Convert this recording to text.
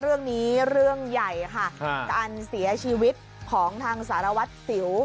เรื่องนี้เรื่องใหญ่ค่ะการเสียชีวิตของทางสารวัตรสิว